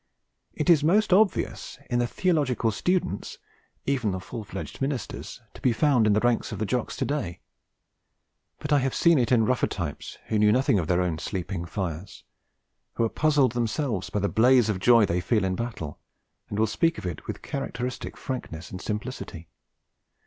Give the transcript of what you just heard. It is most obvious in the theological students, even the full fledged ministers, to be found in the ranks of the Jocks to day; but I have seen it in rougher types who know nothing of their own sleeping fires, who are puzzled themselves by the blaze of joy they feel in battle and will speak of it with characteristic frankness and simplicity.